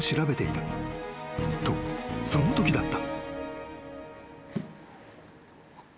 ［とそのときだった］